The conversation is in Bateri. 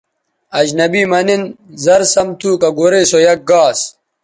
اجنبی مہ نِن زر سَم تھو کہ گورئ سو یک گاس